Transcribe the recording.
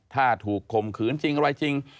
ถ้าถูกข่มขืนจริงอะไรจริง